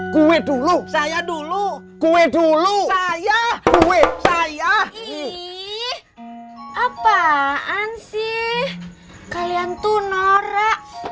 gue dulu saya dulu gue dulu saya gue saya ih apaan sih kalian tuh nora